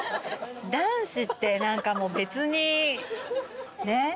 男子って何か別にねっ。